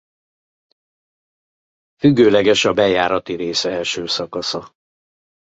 Függőleges a bejárati rész első szakasza.